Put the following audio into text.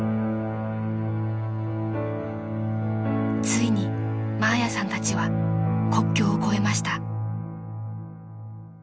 ［ついにマーヤさんたちは国境を越えました］